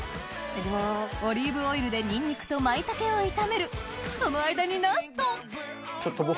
オリーブオイルでにんにくと舞茸を炒めるその間になんとちょっと僕